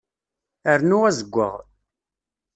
Rnu azeggaɣ.